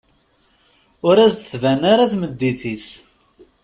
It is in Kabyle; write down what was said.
Ur as-tban ara tmeddit-is.